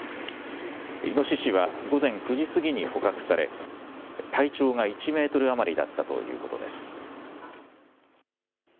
イノシシは午前９時過ぎに捕獲され、体長が１メートル余りだったということです。